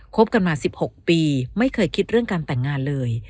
บกันมา๑๖ปีไม่เคยคิดเรื่องการแต่งงานเลย